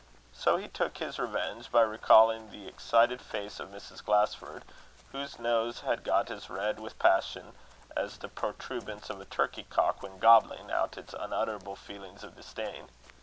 So he took his revenge by recalling the excited face of Mrs. Glasford, whose nose had got as red with passion as the protuberance of a turkey cock when gobbling out its unutterable feelings of disdain.